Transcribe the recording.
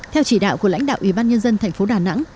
theo chỉ đạo của lãnh đạo ủy ban nhân dân thành phố đà nẵng